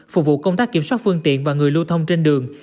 phục vụ công tác kiểm soát phương tiện và người lưu thông trên đường